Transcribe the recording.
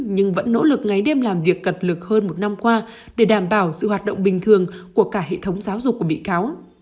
nhưng vẫn nỗ lực ngày đêm làm việc cập lực hơn một năm qua để đảm bảo sự hoạt động bình thường của cả hệ thống giáo dục của bị cáo